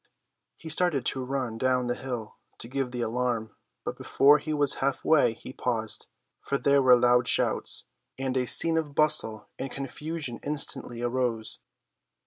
He started to run down the hill to give the alarm, but before he was half way he paused, for there were loud shouts, and a scene of bustle and confusion instantly arose.